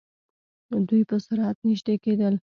دوئ په سرعت نژدې کېدل.